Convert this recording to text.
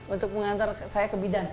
untuk mengantar saya ke bidan